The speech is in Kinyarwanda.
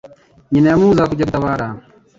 nyina wamubuzaga kujya gutabara